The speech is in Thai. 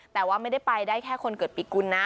แต่ว่าไม่ได้ไปได้แค่คนเกิดปีกุลนะ